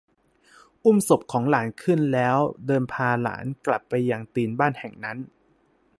อุ้มศพของหลานขึ้นแล้วเดินพาหลานกลับไปยังตีนบ้านแห่งนั้น